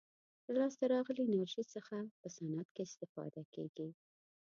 له لاسته راغلې انرژي څخه په صنعت کې استفاده کیږي.